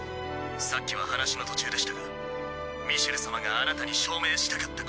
さっきは話の途中でしたがミシェル様があなたに証明したかったこと。